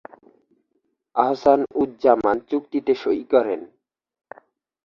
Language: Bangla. আহসান উজ জামান চুক্তিতে সই করেন।